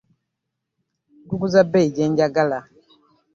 Nkuguza bbeeyi gye njagala.